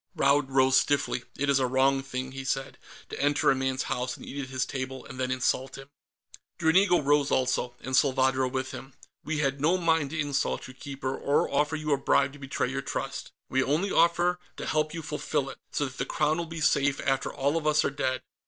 Raud rose stiffly. "It is a wrong thing," he said, "to enter a man's house and eat at his table, and then insult him." Dranigo rose also, and Salvadro with him. "We had no mind to insult you, Keeper, or offer you a bribe to betray your trust. We only offer to help you fulfill it, so that the Crown will be safe after all of us are dead.